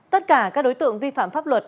tất cả các đối tượng vi phạm pháp luật